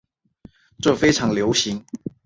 这是非常流行。